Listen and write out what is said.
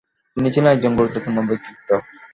তিনি ছিলেন একজন গুরুত্বপূর্ণ ব্যক্তিত্ব ।